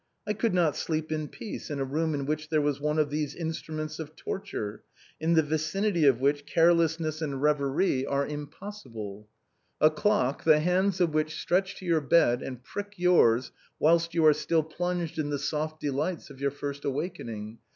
I could not sleep in peace in a room in which there was one of these instruments of torture, in the vicinity of which carelessness and reverie 298 THE BOHEMIANS OF THE LATIN QUARTER. are impossible. A clock, the hands of which stretch to your bed and prick yours whilst you are still plunged in the soft delights of your first awakening.